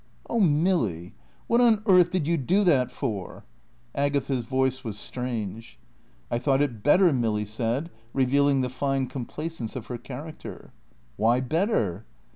"Oh Milly, what on earth did you do that for?" Agatha's voice was strange. "I thought it better," Milly said, revealing the fine complacence of her character. "Why better?"